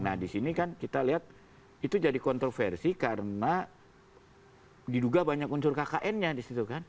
nah disini kan kita lihat itu jadi kontroversi karena diduga banyak unsur kkn nya disitu kan